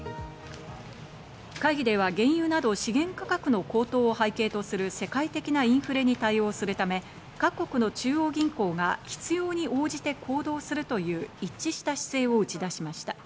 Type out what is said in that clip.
会議では原油など資源価格の高騰を背景とする世界的なインフレに対応するため、各国の中央銀行が必要に応じて行動するという一致した姿勢を打ち出しました。